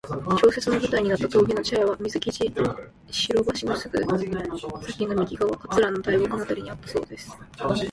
小説の舞台になった峠の茶屋は水生地・白橋のすぐ先の右側、桂の大木のあたりにあったそうです。